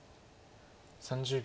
３０秒。